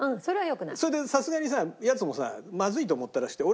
それでさすがにさヤツもさまずいと思ったらしくて。